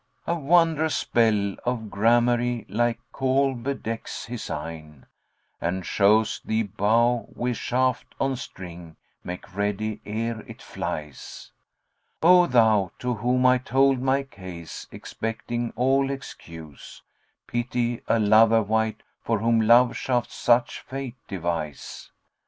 A wondrous spell of gramarye like Kohl bedecks his eyne, * And shows thee bow with shaft on string make ready ere it flies: O thou, to whom I told my case expecting all excuse, * Pity a lover wight for whom Love shafts such fate devise!